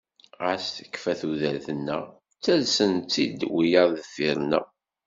Ɣas tekfa tudert-nneɣ ttalsen-tt-id wiyaḍ deffir-nneɣ.